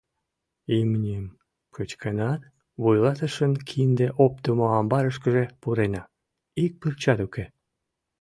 Имньым кычкенат, вуйлатышын кинде оптымо амбарышкыже пурена — ик пырчат уке.